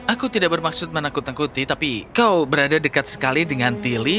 aku tidak bermaksud menakut nakuti tapi kau berada dekat sekali dengan tili